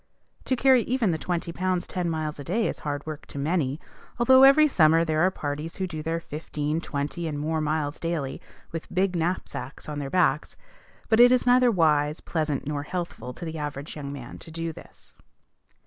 To carry even the twenty pounds ten miles a day is hard work to many, although every summer there are parties who do their fifteen, twenty, and more miles daily, with big knapsacks on their backs; but it is neither wise, pleasant, nor healthful, to the average young man, to do this.